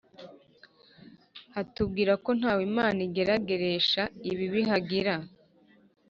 hatubwira ko nta we Imana igerageresha ibibi Hagira